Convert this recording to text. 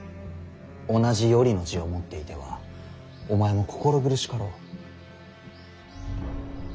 同じ「頼」の字を持っていてはお前も心苦しかろう。